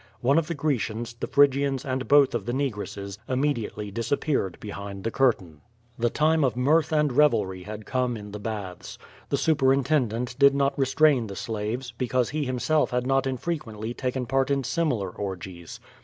One of the Grecians, the Phrygians, and both of the negresses imme diately disappeared behind the curtain. The time of mirth and revelry had come in the hatha The superintendent did not restrain the slaves, because he himself had not infrequently taken part in similar orgies.